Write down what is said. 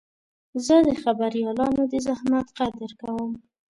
زه د خبریالانو د زحمت قدر کوم.